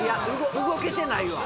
動けてないわ。